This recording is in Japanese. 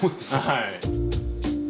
はい。